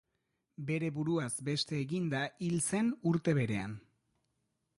Bere buruaz beste eginda hil zen urte berean.